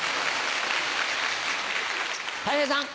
たい平さん。